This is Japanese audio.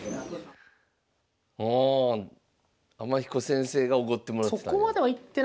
ああ天彦先生がおごってもらってたんや。